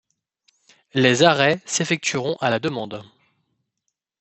Les arrêts s'effectueront à la demande.